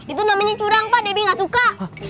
itu namanya curang pak debbie gak suka